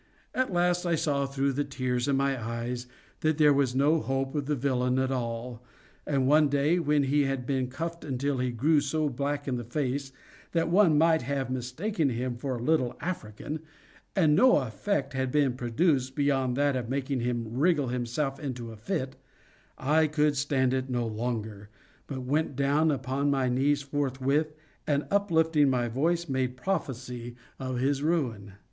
At last I saw, through the tears in my eyes, that there was no hope of the villain at all, and one day when he had been cuffed until he grew so black in the face that one might have mistaken him for a little African, and no effect had been produced beyond that of making him wriggle himself into a fit, I could stand it no longer, but went down upon my knees forthwith, and, uplifting my voice, made prophecy of his ruin.